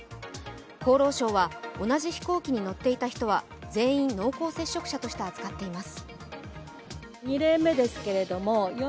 厚労省は同じ飛行機に乗っていた人は全員、濃厚接触者として扱っています。